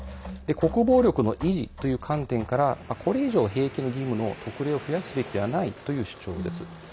国防力の維持という観点からこれ以上兵役の義務の特例を増やすべきではないという主張です。